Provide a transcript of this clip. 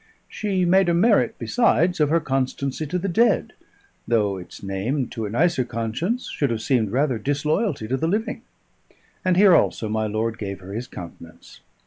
She made a merit, besides, of her constancy to the dead, though its name, to a nicer conscience, should have seemed rather disloyalty to the living; and here also my lord gave her his countenance.